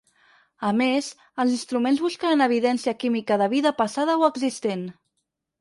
A més, els instruments buscaran evidència química de vida passada o existent.